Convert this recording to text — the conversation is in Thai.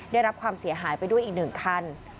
ได้รับความเสียหายไปด้วยอีก๑คัน